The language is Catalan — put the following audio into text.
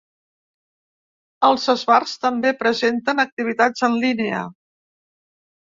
Els esbarts també presenten activitats en línia.